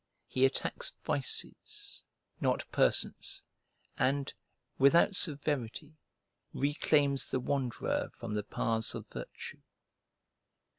He attacks vices, not persons, and, without severity, reclaims the wanderer from the paths of virtue.